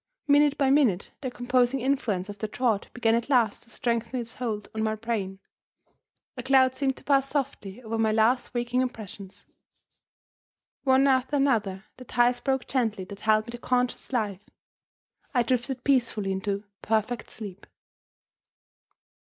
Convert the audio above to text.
Minute by minute, the composing influence of the draught began at last to strengthen its hold on my brain. A cloud seemed to pass softly over my last waking impressions. One after another, the ties broke gently that held me to conscious life. I drifted peacefully into perfect sleep.